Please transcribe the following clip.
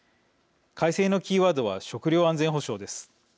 改正のキーワードは食料安全保障です。